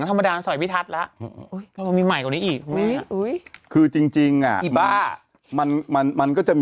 สงสารคุณแม่